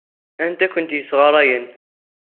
Anta ay kent-yessɣarayen?